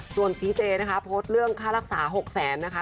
ส่วนพีเจนะคะโพสต์เรื่องค่ารักษา๖แสนนะคะ